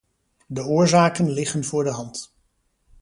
De oorzaken liggen voor de hand.